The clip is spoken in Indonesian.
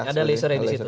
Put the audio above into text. ada laser yang di situ